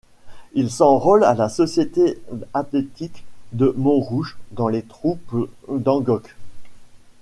Il s'enrôle à la Société Athlétique de Montrouge, dans les troupes d'Angot.